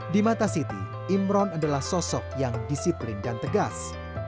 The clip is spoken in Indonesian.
di mata siti imron adalah sosok yang disiplin dan tegas